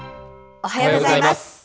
おはようございます。